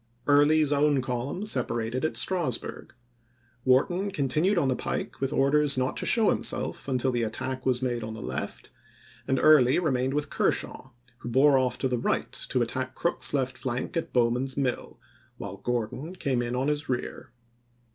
Early's own column separated at Strasburg. Wharton con tinued on the pike with orders not to show himself until the attack was made on the left, and Early remained with Kershaw, who bore off to the right to attack Crook's left flank at Bowman's Mill, while Gordon came in on his rear.